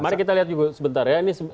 mari kita lihat juga sebentar ya